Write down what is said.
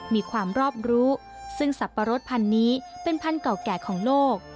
มีความรอบรู้ซึ่งสับปะรดพันธุ์นี้เป็นพันธุ์เก่าแก่ของโลก